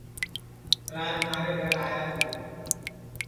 راج مِھارے گھر آیا تیا